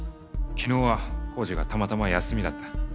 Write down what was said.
昨日は工事がたまたま休みだった。